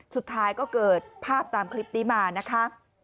สุดท้ายก็เกิดภาพตามคลิปนี้มานะคะ